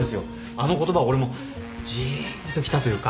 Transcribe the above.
あの言葉俺もじーんときたというか。